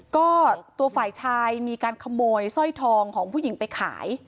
ก็ตัวฝ่ายชายมีการขโมยสร้อยทองของผู้หญิงไปขาย